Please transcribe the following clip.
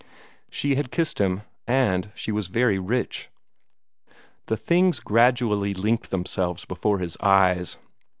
She had kissed him, and she was very rich. The things gradually linked themselves before his eyes.